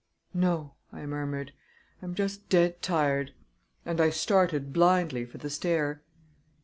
"No," I murmured, "I'm just dead tired," and I started blindly for the stair.